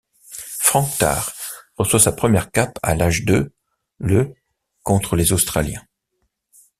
Frank Tarr reçoit sa première cape à l'âge de le contre les Australiens.